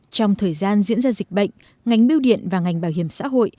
trong thời gian diễn ra dịch bệnh ngành biêu điện và ngành bảo hiểm xã hội